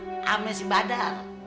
sama si badar